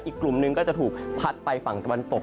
อีกกลุ่มหนึ่งก็จะถูกพัดไปฝั่งตะวันตก